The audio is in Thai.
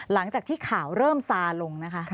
หลังจากที่ข่าวเริ่มซาลงนะคะ